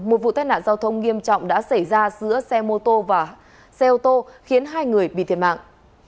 một vụ tai nạn giao thông nghiêm trọng đã xảy ra giữa xe mô tô và xe ô tô khiến hai người bị thiệt mạng